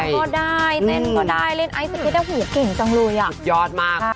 ร้อนก็ได้เต้นก็ได้เล่นไอศกิตแล้วหูเก่งจังเลยอ่ะยอดมาก